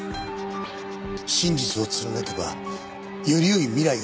真実を貫けばより良い未来が開ける。